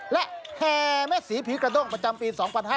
และแห่แม่ศรีผีกระด้งประจำปี๒๕๕๙